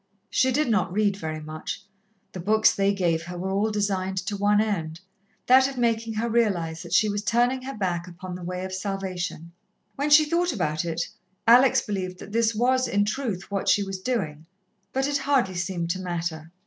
She did not read very much. The books they gave her were all designed to one end that of making her realize that she was turning her back upon the way of salvation. When she thought about it, Alex believed that this was, in truth, what she was doing, but it hardly seemed to matter.